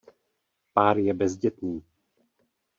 Pár je bezdětný.